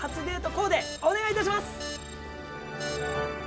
コーデお願い致します。